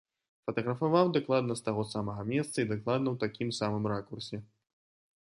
Фатаграфаваў дакладна з таго самага месца і дакладна ў такім самым ракурсе.